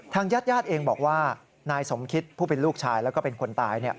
ญาติญาติเองบอกว่านายสมคิตผู้เป็นลูกชายแล้วก็เป็นคนตาย